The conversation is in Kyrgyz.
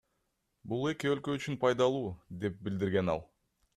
Бул эки өлкө үчүн пайдалуу, — деп билдирген ал.